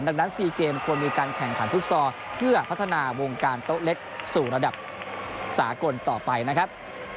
ดังนั้น๔เกมควรมีการแข่งขันฟุตซอลเพื่อพัฒนาวงการโต๊ะเล็กสู่ระดับสากลต่อไปนะครับ